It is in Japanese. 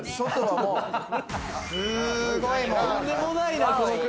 とんでもないな、この車。